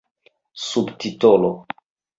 subtitolo